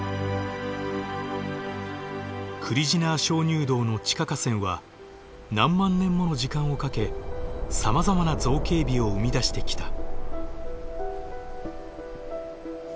クリジナー鍾乳洞の地下河川は何万年もの時間をかけさまざまな造形美を生み出してきた。